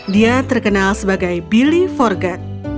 dia terkenal sebagai billy forget